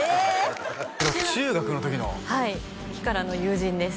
これ中学の時のはい時からの友人です